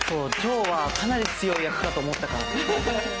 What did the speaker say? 呈はかなり強い役かと思ったからね。